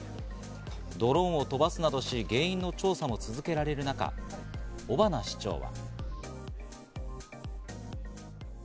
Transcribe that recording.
ドローンを飛ばすなどし原因の調査も続けられる中、尾花市長は。